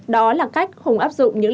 đó là cách hùng áp dụng